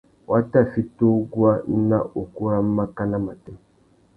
Wa tà mà fiti uguá ná ukú râ mákànà matê.